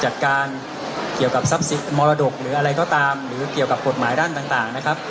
จัดการเกี่ยวกับทรัพย์สินมรดกหรืออะไรก็ตามหรือเกี่ยวกับกฎหมายด้านต่างนะครับ